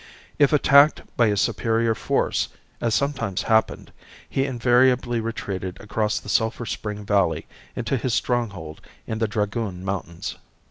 If attacked by a superior force, as sometimes happened, he invariably retreated across the Sulphur Spring valley into his stronghold in the Dragoon mountains.